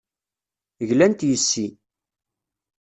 Glant yes-i.